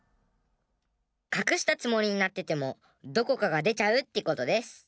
かくしたつもりになっててもどこかがでちゃうってことデス。